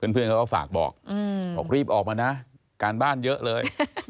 เพื่อนเขาก็ฝากบอกบอกรีบออกมานะการบ้านเยอะเลย